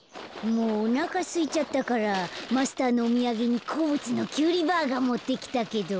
もうおなかすいちゃったからマスターのおみやげにこうぶつのキュウリバーガーもってきたけど